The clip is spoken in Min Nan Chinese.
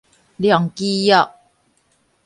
量其約